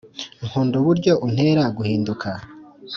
nkunda uburyo untera guhinduka